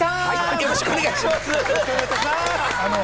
よろしくお願いします。